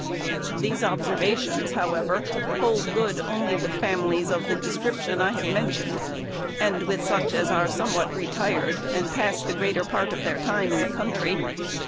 These observations, however, hold good only with families of the description I have mentioned, and with such as are somewhat retired, and pass the greater part of their time in the country.